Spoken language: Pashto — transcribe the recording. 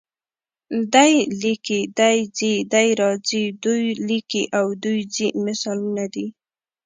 دی لیکي، دی ځي، دی راځي، دوی لیکي او دوی ځي مثالونه دي.